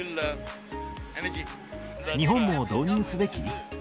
日本も導入すべき？